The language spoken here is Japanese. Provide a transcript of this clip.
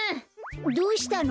どうしたの？